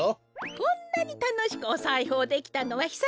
こんなにたのしくおさいほうできたのはひさしぶりだね。